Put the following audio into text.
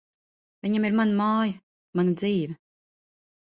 Viņam ir mana māja, mana dzīve.